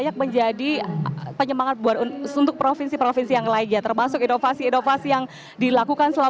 keputusan gubernur jawa timur